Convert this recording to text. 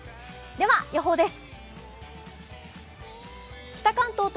では、予報です。